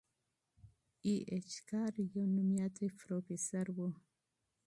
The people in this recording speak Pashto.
ای اېچ کار یو مشهور پروفیسور و.